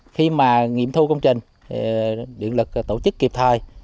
khi nghiệm thu công trình điện lực tổ chức kịp thời